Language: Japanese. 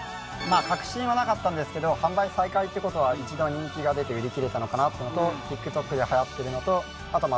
確信はなかったんですけど販売再開ってことは一度人気が出て売り切れたのかなってのとＴｉｋＴｏｋではやってるのとあとまあ